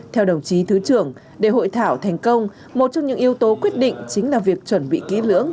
theo đồng chí thứ trưởng để hội thảo thành công một trong những yếu tố quyết định chính là việc chuẩn bị ký lưỡng